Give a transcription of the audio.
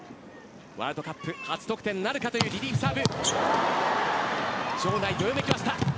ワールドカップ初得点なるかリリーフサーブ。